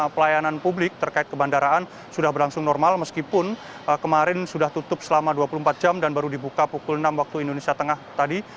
pelayanan publik terkait ke bandaraan sudah berlangsung normal meskipun kemarin sudah tutup selama dua puluh empat jam dan baru dibuka pukul enam waktu indonesia tengah tadi